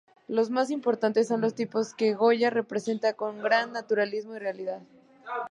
Lo más importante son los tipos que Goya representa con gran naturalismo y realidad.